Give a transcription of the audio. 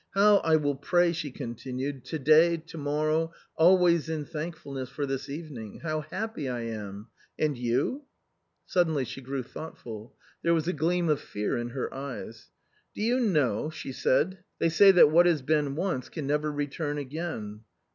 " How I will pray," she continued, " to day, to morrow, always, in thankfulness for this evening. How happy I am ! And you ?"> Suddenly she grew thoughtful ; there was a gleam of fear in her eyes. " Do you know," she said, "they say that what has been once can never return again